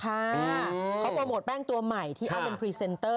เขาโปรโมทแป้งตัวใหม่ที่เอาเป็นพรีเซนเตอร์